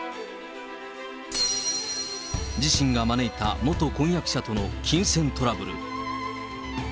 自身が招いた元婚約者との金銭トラブル。